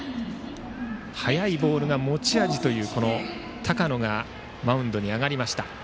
速いボールが持ち味という高野がマウンドに上がりました。